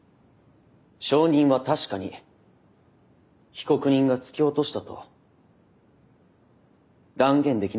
証人は確かに被告人が突き落としたと断言できますか？